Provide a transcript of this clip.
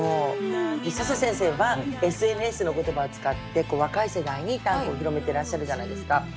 笹先生はＳＮＳの言葉を使って若い世代に短歌を広めてらっしゃるじゃないですか。